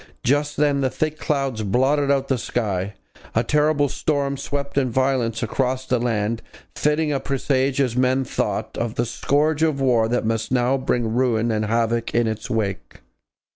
Just then thick clouds blotted out the sky; a terrible storm swept in violence across the land, a fitting presage, as men thought, of the scourge of war that must now bring ruin and havoc in its wake.